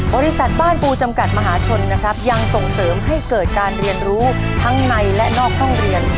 บริษัทบ้านปูจำกัดมหาชนนะครับยังส่งเสริมให้เกิดการเรียนรู้ทั้งในและนอกห้องเรียน